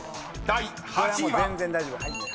［第８位は］